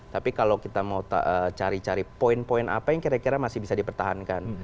tapi kalau kita mau cari cari poin poin apa yang kira kira masih bisa dipertahankan